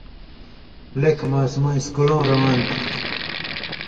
لیٙکھہۡ ماسُمہۡ اِسکُلؤں روان تھہ۔